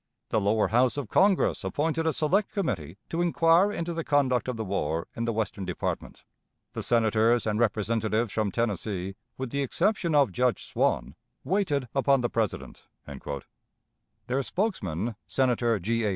The Lower House of Congress appointed a select committee to inquire into the conduct of the war in the Western Department. The Senators and Representatives from Tennessee, with the exception of Judge Swann, waited upon the President." Their spokesman, Senator G. A.